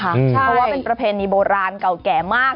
เพราะว่าเป็นประเพณีโบราณเก่าแก่มาก